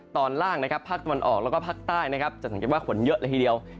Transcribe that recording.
ตอนล่างภาคตะวันออกและภาคใต้จะสังเกตว่าผลเยอะเลยทีเดียว